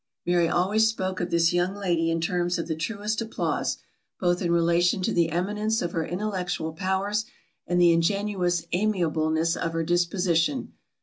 Mary always spoke of this young lady in terms of the truest applause, both in relation to the eminence of her intellectual powers, and the ingenuous amiableness of her disposition.